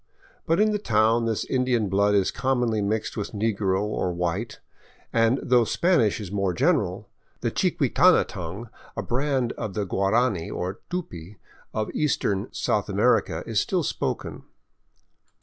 But in the town this Indian blood is commonly mixed with negro or white, and though Spanish is more general, the chiquitana tongue, a branch of the Guarani or Tupy of eastern South America, is still spoken.